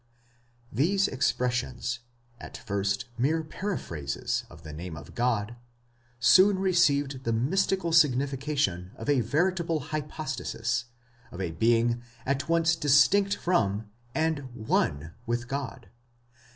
6 These expressions, at first mere paraphrases of the name of God, soon received the mystical signification of a veritable hypostasis, of a being at once distinct from, and one with God.